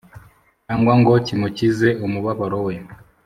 cyangwa ngo kimukize umubabaro we.